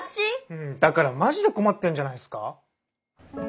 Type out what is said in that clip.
うんだからマジで困ってんじゃないすか。